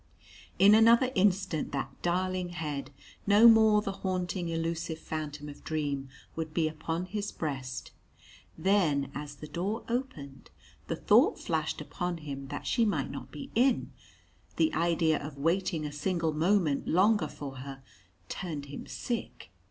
In another instant that darling head no more the haunting elusive phantom of dream would be upon his breast. Then as the door opened, the thought flashed upon him that she might not be in the idea of waiting a single moment longer for her turned him sick.